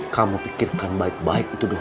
kamu pikirkan baik baik itu dengan